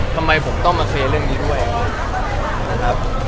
ทำไมผมต้องมาเคลียร์เรื่องนี้ด้วยนะครับ